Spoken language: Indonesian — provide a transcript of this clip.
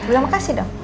bulan makasih dong